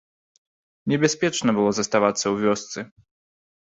Небяспечна было заставацца ў вёсцы.